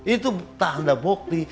itu tanda bukti